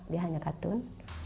dia hanya katun